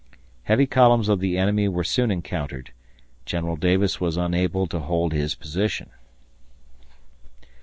Heavy columns of the enemy were soon encountered. ... General Davis was unable to hold his position.